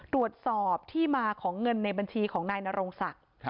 ตรวจสอบที่มาของเงินในบัญชีของนายนโรงศักดิ์